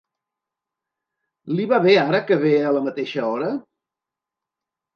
Li va bé ara que ve a la mateixa hora?